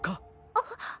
あっ！